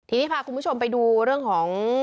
ทีนี้พาคุณผู้ชมไปดูเรื่องของ